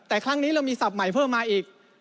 แต่ครั้งนี้เรามีศัพท์ใหม่เพิ่มมาอีก